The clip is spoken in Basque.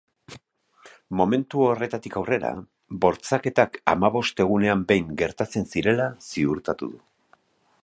Momentu horretatik aurrera bortxaketak hamabost egunean behin gertatzen zirela ziurtatu du.